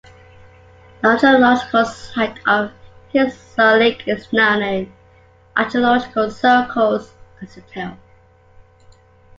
The archaeological site of Hisarlik is known in archaeological circles as a tell.